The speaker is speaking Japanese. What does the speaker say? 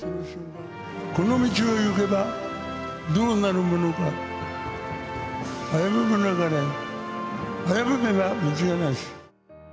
この道を行けばどうなるものか、危ぶむなかれ、危ぶめば道はなし。